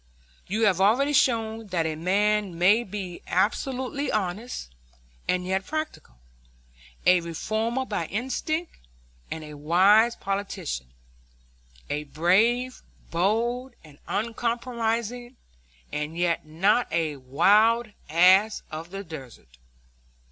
You have already shown that a man may be absolutely honest and yet practical; a reformer by instinct and a wise politician; brave, bold, and uncompromising, and yet not a wild ass of the desert.